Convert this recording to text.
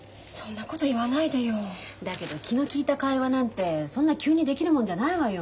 だけど気の利いた会話なんてそんな急にできるもんじゃないわよ。